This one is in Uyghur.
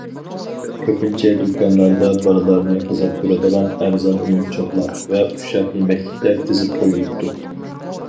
كۆپىنچە دۇكانلاردا بالىلارنى قىزىقتۇرىدىغان ئەرزان ئويۇنچۇقلار ۋە ئۇششاق يېمەكلىكلەر تىزىپ قويۇلۇپتۇ.